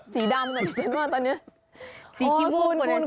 สีดำหน่อยฉันว่าตอนนี้